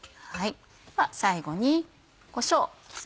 では最後にこしょうです。